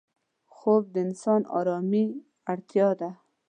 خوب د انسان آرامي اړتیا ده